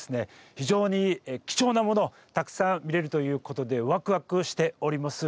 非常に貴重なものをたくさん見れるということでワクワクしております。